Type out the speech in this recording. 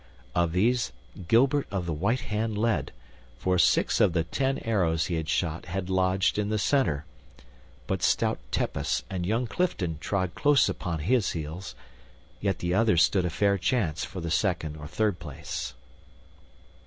Of these Gilbert of the White Hand led, for six of the ten arrows he had shot had lodged in the center; but stout Tepus and young Clifton trod close upon his heels; yet the others stood a fair chance for the second or third place.